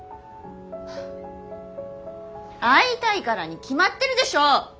会いたいからに決まってるでしょう！